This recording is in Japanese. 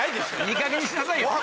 いいかげんにしなさいよ。